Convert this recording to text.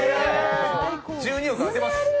１２億、当てます！